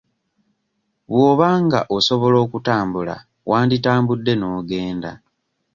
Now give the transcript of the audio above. Bw'oba nga osobola okutambula wanditambudde n'ogenda.